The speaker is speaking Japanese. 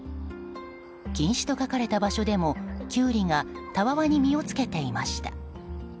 禁止と書かれた場所でもキュウリがたわわに実をつけていました。